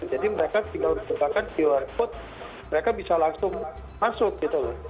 jadi mereka tinggal dipergunakan qr code mereka bisa langsung masuk gitu loh